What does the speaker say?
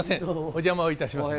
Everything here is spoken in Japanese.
お邪魔をいたします。